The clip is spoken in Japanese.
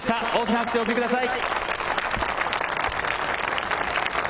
大きな拍手をお送りください。